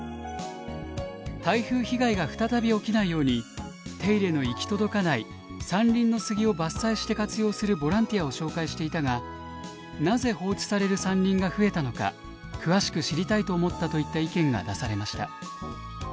「台風被害が再び起きないように手入れの行き届かない山林の杉を伐採して活用するボランティアを紹介していたがなぜ放置される山林が増えたのか詳しく知りたいと思った」といった意見が出されました。